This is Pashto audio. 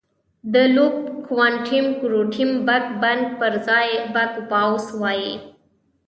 د لوپ کوانټم ګرویټي بګ بنګ پر ځای بګ باؤنس وایي.